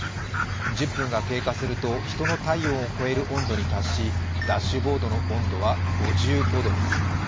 １０分が経過するとヒトの体温を超える温度に達しダッシュボードの温度は５５度に。